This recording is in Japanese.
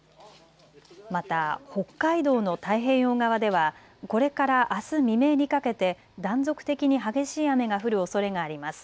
また北海道の太平洋側ではこれからあす未明にかけて断続的に激しい雨が降るおそれがあります。